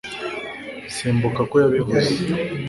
Sinibuka ko yabivuze